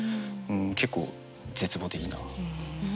結構絶望的な。